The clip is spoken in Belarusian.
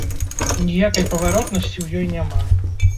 Ніякай паваротнасці ў ёй няма.